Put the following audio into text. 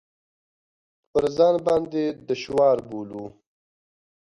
پر ځان باندې دشوار بولو.